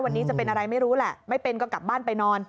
วันนี้จะเป็นอะไรไม่รู้แหละไม่เป็นก็กลับบ้านไปนอน